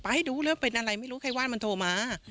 ให้ดูแล้วเป็นอะไรไม่รู้ใครว่ามันโทรมา